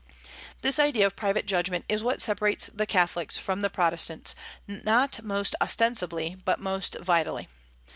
This idea of private judgment is what separates the Catholics from the Protestants; not most ostensibly, but most vitally.